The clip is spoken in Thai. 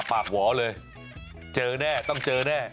หวอเลยเจอแน่ต้องเจอแน่